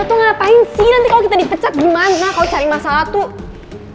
kau tuh ngapain sih nanti kalo kita dipecat gimana kau cari masalah tuh